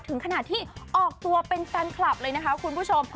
ถึงขนาดที่ออกตัวเป็นแฟนคลับเลยนะคะคุณผู้ชม